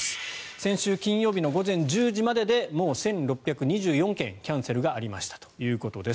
先週の金曜日の午前１０時までですでに１６２４件のキャンセルがありましたということです。